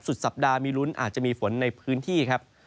สุดสัปดาห์มีลุ้นอาจจะมีฝนในพื้นที่ครับ